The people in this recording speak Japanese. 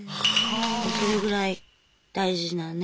それぐらい大事なね。